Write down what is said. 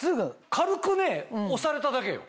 軽くね押されただけよ。